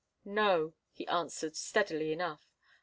"No," he answered, steadily enough.